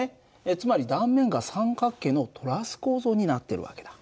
つまり断面が三角形のトラス構造になってる訳だ。